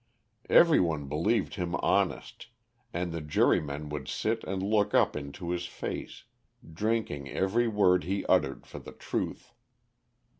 Every one believed him honest, and the jury men would sit and look up into his face, drinking every word he uttered for the truth.